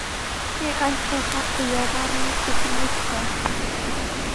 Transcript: Kay allquqa kuyamarmi kutimushqa.